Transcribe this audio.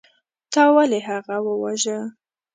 تا ولې هغه وواژه.